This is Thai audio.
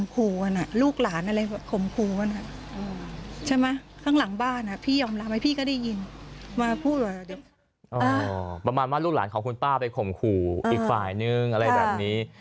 ประมาณว่าลูกหลานของคุณป้าไปข่มขู่อีกฝ่ายนึงอะไรแบบนี้